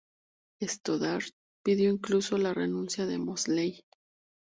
Stoddart pidió incluso la renuncia de Mosley.